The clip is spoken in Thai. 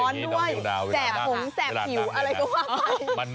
มันร้อนด้วยแสบผมแสบหิวอะไรก็ว่าไป